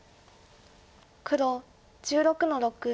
黒１６の六。